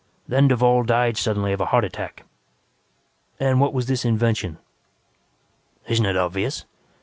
Then Duvall died suddenly of a heart attack." "And what was this invention?" "Isn't it obvious?